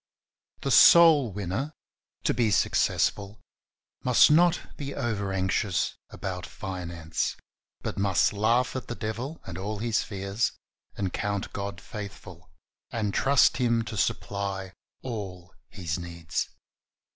The soul winner, to be successful, must not be overanxious about finance, but must laugh at the devil and all his fears, and count God faithful, and trust Him to supply all his needs.